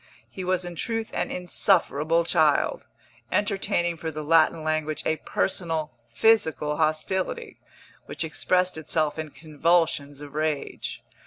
He was in truth an insufferable child, entertaining for the Latin language a personal, physical hostility, which expressed itself in convulsions of rage.